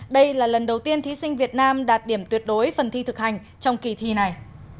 đây là lần đầu tiên thí sinh việt nam đạt điểm tuyệt đối phần thi thực hành trong kỳ thi này